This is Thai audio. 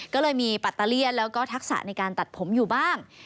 ก็เลยมีปัตเตอร์เลี่ยนแล้วก็ทักษะในการตัดผมอยู่บ้าง